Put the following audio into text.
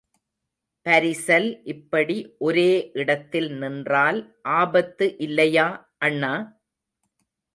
பரிசல் இப்படி ஒரே இடத்தில் நின்றால் ஆபத்து இல்லையா, அண்ணா?